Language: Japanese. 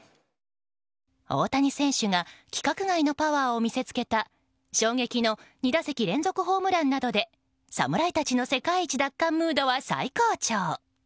大谷選手が規格外のパワーを見せつけた衝撃の２打席連続ホームランなどで侍たちの世界一奪還ムードは最高潮。